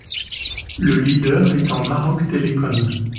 Le leader étant Maroc Telecom.